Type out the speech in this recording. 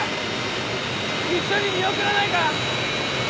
一緒に見送らないか？